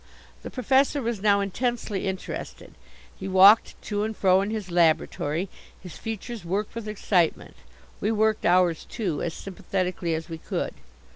The Professor was now intensely interested. He walked to and fro in his laboratory. His features worked with excitement. We worked ours, too, as sympathetically as we could.